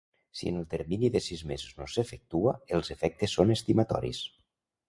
Si en el termini de sis mesos no s'efectua, els efectes són estimatoris.